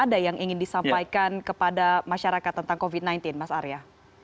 ada yang ingin disampaikan kepada masyarakat tentang covid sembilan belas mas arya